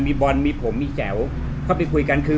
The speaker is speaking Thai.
มีบอลมีผมมีแจ๋วเข้าไปคุยกันคือ